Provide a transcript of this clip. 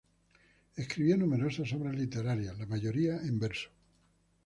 Escribió numerosas obras literarias, la mayoría en verso.